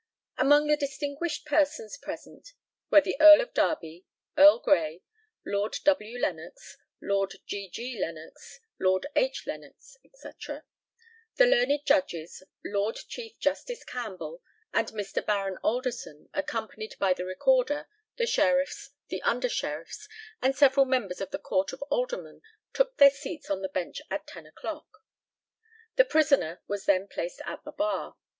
Among the distinguished persons present were the Earl of Derby, Earl Grey, Lord W. Lennox, Lord G. G. Lennox, Lord H. Lennox, &c. The learned judges, Lord Chief Justice Campbell and Mr. Baron Alderson, accompanied by the Recorder, the Sheriffs, the Under Sheriffs, and several members of the Court of Aldermen, took their seats on the bench at 10 o'clock. The prisoner was then placed at the bar.